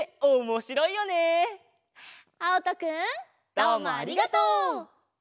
どうもありがとう！